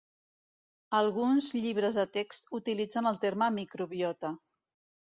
Alguns llibres de text utilitzen el terme microbiota.